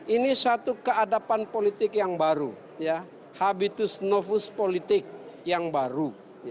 ini satu keadapan politik yang baru habitus nofus politik yang baru